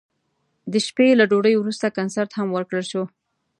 د شپې له ډوډۍ وروسته کنسرت هم ورکړل شو.